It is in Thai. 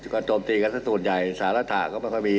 ก็โจมตีกันสักส่วนใหญ่สารตะก็ไม่ค่อยมี